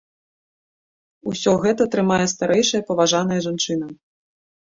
Усё гэта трымае старэйшая паважаная жанчына.